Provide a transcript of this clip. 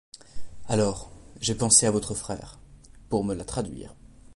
Alors, j'ai pensé à votre frère, pour me la traduire.